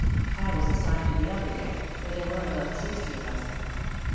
I was assigned to the upper deck, where there were about sixty of us.